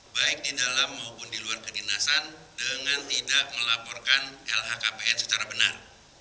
baik di dalam maupun di luar kedinasan dengan tidak melaporkan lhkpn secara benar